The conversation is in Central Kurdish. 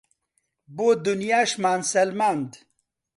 بۆ دونیاشمان سەلماند